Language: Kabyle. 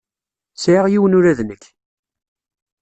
Sɛiɣ yiwen ula d nekk.